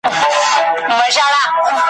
خو څرنګه چي د پښتو په ژبه کي !.